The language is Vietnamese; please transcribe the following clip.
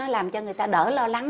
làm cho người ta đỡ lo lắng